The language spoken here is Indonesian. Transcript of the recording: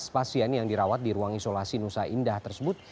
tujuh belas pasien yang dirawat di ruang isolasi nusa indah tersebut